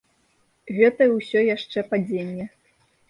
Гэта ўсё яшчэ падзенне.